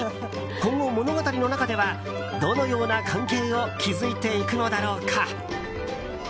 今後、物語の中ではどのような関係を築いていくのだろうか。